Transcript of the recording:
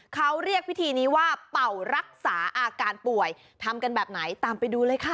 เขาเรียกพิธีนี้ว่าเป่ารักษาอาการป่วยทำกันแบบไหนตามไปดูเลยค่ะ